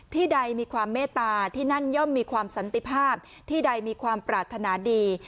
ใดมีความเมตตาที่นั่นย่อมมีความสันติภาพที่ใดมีความปรารถนาดี